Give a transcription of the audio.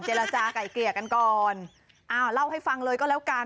เจรจาไก่เกลี่ยกันก่อนอ้าวเล่าให้ฟังเลยก็แล้วกัน